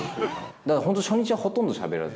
だから初日はほとんどしゃべらず。